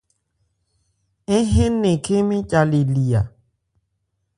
Ń hɛn nnɛn khɛ́n mɛ́n ca le li a.